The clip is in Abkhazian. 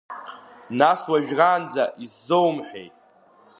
Нас уажәраанӡа изсоумҳәеи?!